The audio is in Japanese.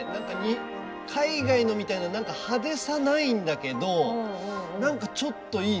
海外のみたいな派手さ、ないんだけどなんかちょっといいね。